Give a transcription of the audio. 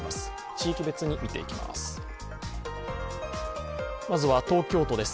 地域別に見ていきます。